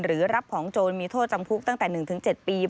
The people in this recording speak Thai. รับของโจรมีโทษจำคุกตั้งแต่๑๗ปี